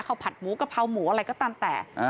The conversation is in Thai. ผัดหมูกะเพราหมูอะไรก็ตามแต่